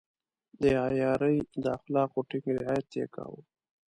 د عیارۍ د اخلاقو ټینګ رعایت يې کاوه.